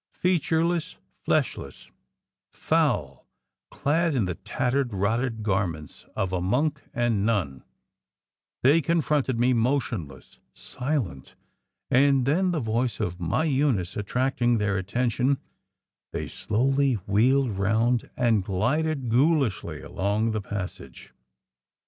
Featureless, fleshless, foul, clad in the tattered, rotted garments of a monk and nun, they confronted me motionless, silent, and then the voice of my Eunice attracting their attention, they slowly wheeled round and glided ghoulishly along the passage.